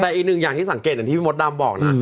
แต่อีกอย่างที่สังเกตว่าที่พี่มดดำบอกนะ